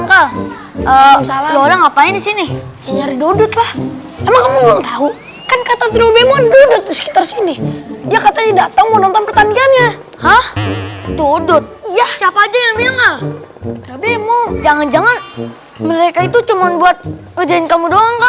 kalau kalau ngapain di sini nyari dodo tuh kalau ketemu orang itu harus assalamualaikum dulu jangan ngegetin oh iya assalamualaikum kal lola ngapain disini